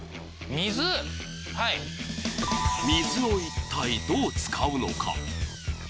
水を一体どう使うのか？